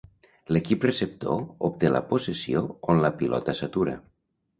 L'equip receptor obté la possessió on la pilota s'atura.